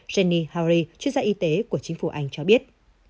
jenny hari chuyên gia y tế của chính phủ anh cho biết